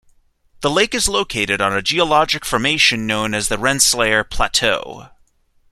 The lake is located on a geologic formation known as the Rensselaer Plateau.